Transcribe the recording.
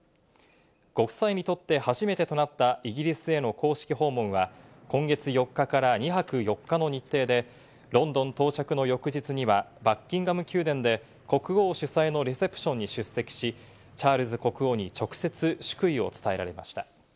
ご夫妻にとって初めてとなったイギリスへの公式訪問は今月４日から２泊４日の日程で、ロンドン到着の翌日にはバッキンガム宮殿で国王主催のレセプションに出席し、チャールズ国王に直接、祝意を伝えられました。